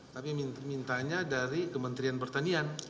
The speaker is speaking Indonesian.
tapi mintanya dari kementerian pertanian